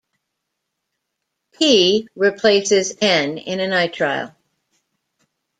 P replaces N in a nitrile.